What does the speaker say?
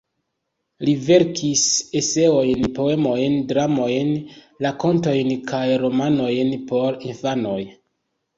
Li verkis eseojn, poemojn, dramojn, rakontojn kaj romanojn por infanoj.